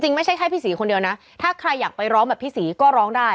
ไม่ใช่แค่พี่ศรีคนเดียวนะถ้าใครอยากไปร้องแบบพี่ศรีก็ร้องได้